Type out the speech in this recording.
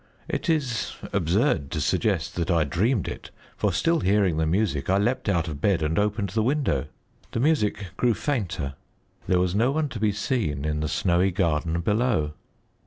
It is absurd to suggest that I dreamed it, for, still hearing the music, I leaped out of bed and opened the window. The music grew fainter. There was no one to be seen in the snowy garden below.